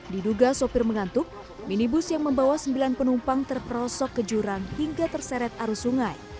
diduga sopir mengantuk minibus yang membawa sembilan penumpang terperosok ke jurang hingga terseret arus sungai